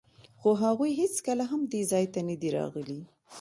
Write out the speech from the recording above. خو هغوی هېڅکله هم دې ځای ته نه دي راغلي.